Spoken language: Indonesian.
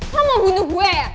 kamu bunuh gue